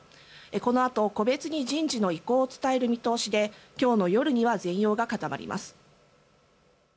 このあと個別に人事の意向を伝える見通しで今日の夜には全容が固まります。